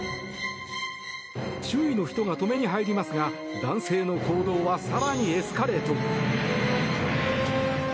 周囲の人が止めに入りますが男性の行動は更にエスカレート。